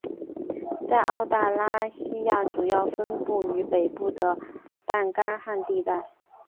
在澳大拉西亚主要分布于北部的半干旱地带。